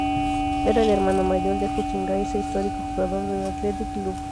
Era el hermano mayor de Agustín Gainza, histórico jugador del Athletic Club.